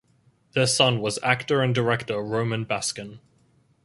Their son was actor and director Roman Baskin.